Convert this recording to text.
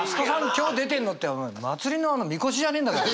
今日出てんぞ」ってお前祭りのみこしじゃねえんだから！